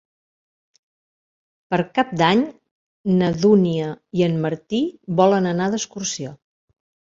Per Cap d'Any na Dúnia i en Martí volen anar d'excursió.